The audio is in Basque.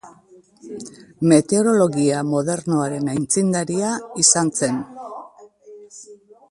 Meteorologia modernoaren aitzindaria izan zen.